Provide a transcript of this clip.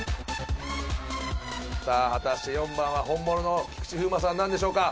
さあ果たして４番は本物の菊池風磨さんなんでしょうか？